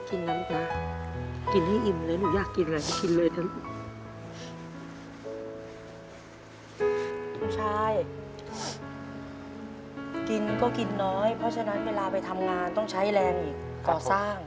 ลูกชายกินก็กินน้อยเพราะฉะนั้นเวลาไปทำงานต้องใช้แรงอีกก่อสร้าง